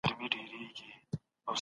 علمي میتود کارول فرض دي.